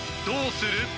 どうする？］